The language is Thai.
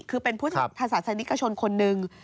คือเป็นพุทธศาสนิกชนคนหนึ่ง